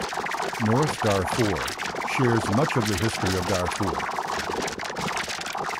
North Darfur shares much of the history of Darfur.